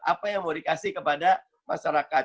apa yang mau dikasih kepada masyarakat